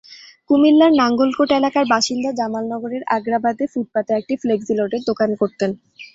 কুমিল্লার নাঙ্গলকোট এলাকার বাসিন্দা জামাল নগরের আগ্রাবাদে ফুটপাতে একটি ফ্লেক্সিলোডের দোকান করতেন।